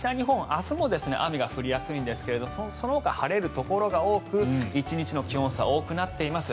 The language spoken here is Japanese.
明日も雨が降りやすいんですがそのほか晴れるところが多く１日の気温差が大きくなっています。